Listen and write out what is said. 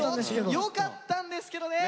よかったんですけどね。